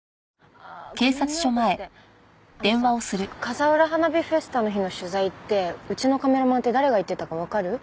あのさ風浦花火フェスタの日の取材ってうちのカメラマンって誰が行ってたかわかる？